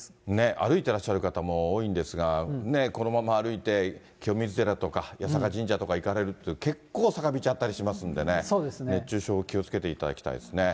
歩いていらっしゃる方も多いんですが、このまま歩いて、清水寺とか八坂神社とか行かれると、結構、坂道あったりしますんでね、熱中症、気をつけていただきたいですね。